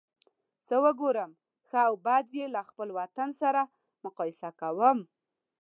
څه وګورم ښه او بد یې له خپل وطن سره مقایسه کوم.